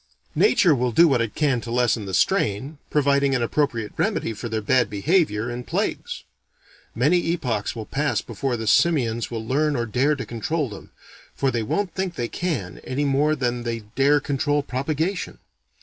Nature will do what it can to lessen the strain, providing an appropriate remedy for their bad behavior in plagues. Many epochs will pass before the simians will learn or dare to control them for they won't think they can, any more than they dare control propagation.